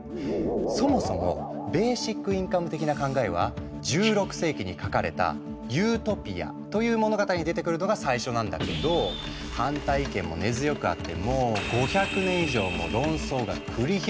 そもそもベーシックインカム的な考えは１６世紀に書かれた「ユートピア」という物語に出てくるのが最初なんだけど反対意見も根強くあってもう５００年以上も論争が繰り広げられてきたんだ。